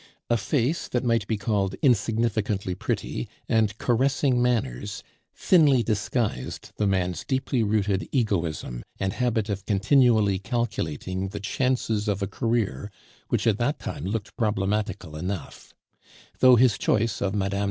A face that might be called insignificantly pretty and caressing manners thinly disguised the man's deeply rooted egoism and habit of continually calculating the chances of a career which at that time looked problematical enough; though his choice of Mme.